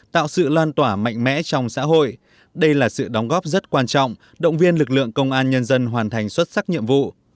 tạo sự lan tỏa mạnh mẽ trong xã hội đây là sự đóng góp rất quan trọng động viên lực lượng công an nhân dân hoàn thành xuất sắc nhiệm vụ